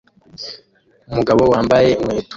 Umugabo wambaye inkweto